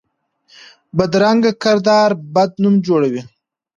بدرنګه کردار بد نوم جوړوي